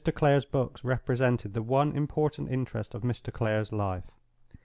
Clare's books represented the one important interest of Mr. Clare's life.